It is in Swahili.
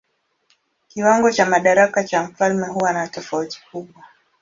Kiwango cha madaraka cha mfalme huwa na tofauti kubwa.